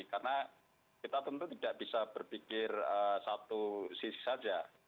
karena kita tentu tidak bisa berpikir satu sisi saja